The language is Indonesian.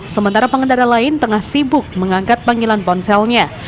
sementara pengendara lain tengah sibuk mengangkat panggilan ponselnya